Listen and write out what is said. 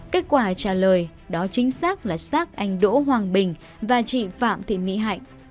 kết quả trả lời đó chính xác là xác anh đỗ hoàng bình và chị phạm thị mỹ hạnh